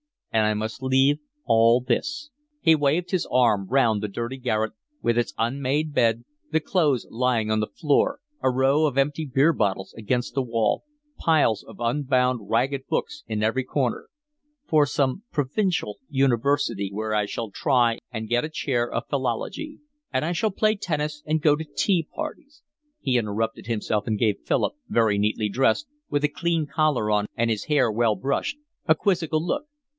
And I must leave all this"—he waved his arm round the dirty garret, with its unmade bed, the clothes lying on the floor, a row of empty beer bottles against the wall, piles of unbound, ragged books in every corner—"for some provincial university where I shall try and get a chair of philology. And I shall play tennis and go to tea parties." He interrupted himself and gave Philip, very neatly dressed, with a clean collar on and his hair well brushed, a quizzical look.